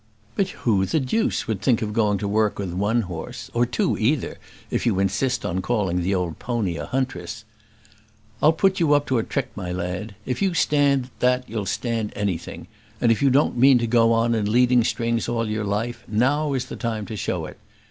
"But who the deuce would think of going to work with one horse; or two either, if you insist on calling the old pony a huntress? I'll put you up to a trick, my lad: if you stand that you'll stand anything; and if you don't mean to go in leading strings all your life, now is the time to show it.